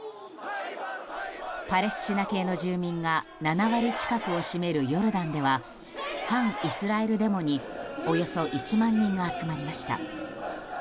パレスチナ系の住民が７割近くを占めるヨルダンでは反イスラエルデモにおよそ１万人が集まりました。